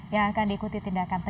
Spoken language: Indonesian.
yang akan diikuti tindakan